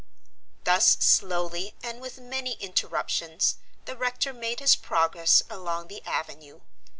Thus slowly and with many interruptions the rector made his progress along the avenue.